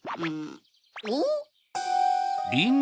おっ？